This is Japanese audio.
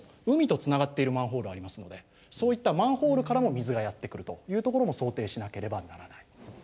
海とつながっているマンホールありますのでそういったマンホールからも水がやって来るというところも想定しなければならない。